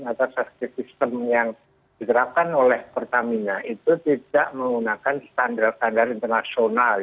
atau safety system yang diterapkan oleh pertamina itu tidak menggunakan standar standar internasional